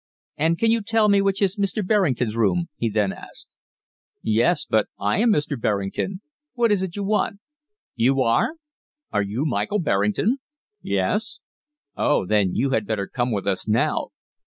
"And can you tell me which is Mr. Berrington's room?" he then asked. "Yes. But I am Mr. Berrington. What is it you want?" "You are? Are you Mr. Michael Berrington?" "Yes." "Oh, then you had better come with us now."